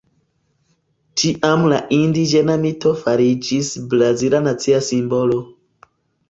Tiam la indiĝena mito fariĝis brazila nacia simbolo.